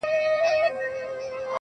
ورته راغله د برکلي د ښکاریانو،